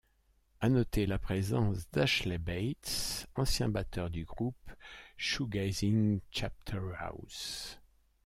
À noter la présence d'Ashley Bates, ancien batteur du groupe shoegazing Chapterhouse.